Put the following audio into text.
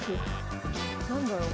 何だろう？